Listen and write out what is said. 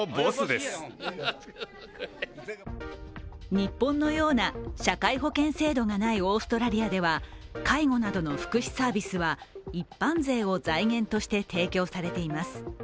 日本のような社会保険制度がないオーストラリアでは介護などの福祉サービスは一般税を財源として提供されています。